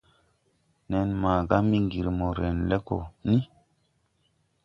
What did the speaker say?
Nen ga Miŋgiri mo ren le gɔ ni.